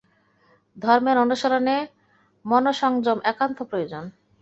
ধর্মের অনুশীলনে মনঃসংযম একান্ত প্রয়োজন।